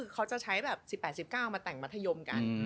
เขาจะใช้แบบ๑๘๑๙มาแต่งมัธยมกัน